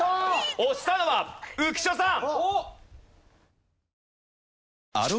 押したのは浮所さん！